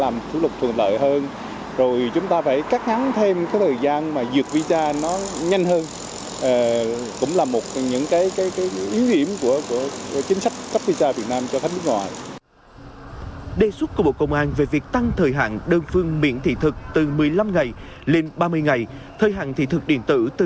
một cái hạn chế